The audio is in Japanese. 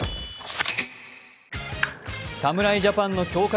侍ジャパンの強化